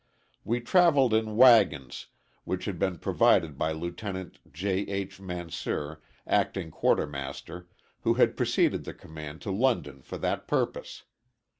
We traveled in wagons, which had been provided by Lieutenant J. H. Mansir, Acting Quartermaster, who had preceded the command to London for that purpose.